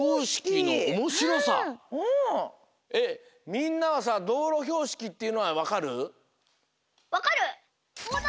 みんなはさどうろひょうしきっていうのはわかる？